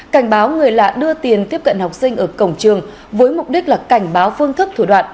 cảnh báo người lạ đưa tiền tiếp cận học sinh ở cổng trường với mục đích là cảnh báo phương thức thủ đoạn